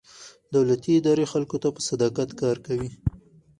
دولتي ادارې خلکو ته په صداقت کار کوي.